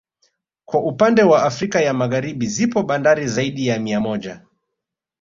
Kwa upannde wa Afrika ya Magharibi zipo bandari zaidi ya mia moja